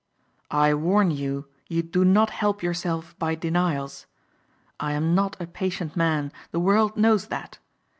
I warn you you do not help yourself by denials. I am not a patient man. The world knows that.